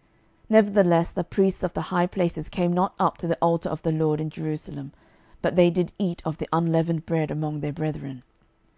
12:023:009 Nevertheless the priests of the high places came not up to the altar of the LORD in Jerusalem, but they did eat of the unleavened bread among their brethren.